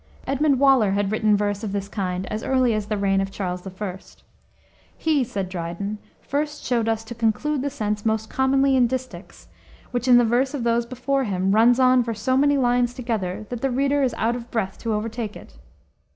Edmund Waller had written verse of this kind as early as the reign of Charles I. He, said Dryden, "first showed us to conclude the sense most commonly in distichs, which, in the verse of those before him, runs on for so many lines together that the reader is out of breath to overtake it."